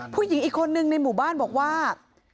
ผู้หญิงอีกคนนึงในหมู่บ้านบอกว่า